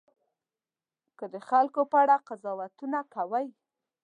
که د خلکو په اړه قضاوتونه کوئ.